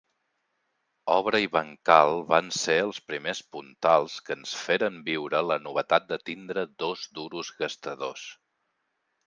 Obra i bancal van ser els puntals que ens feren viure la novetat de tindre dos duros gastadors.